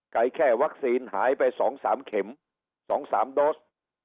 ไกลแค่วัคซีนหายไปสองสามเข็มสองสามโดส